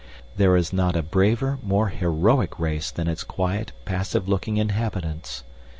There is not a braver, more heroic race than its quite, passive looking inhabitants.